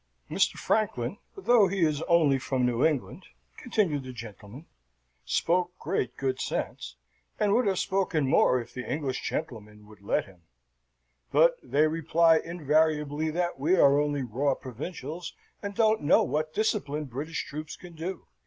"Mr. Franklin, though he is only from New England," continued the gentleman, "spoke great good sense, and would have spoken more if the English gentlemen would let him; but they reply invariably that we are only raw provincials, and don't know what disciplined British troops can do.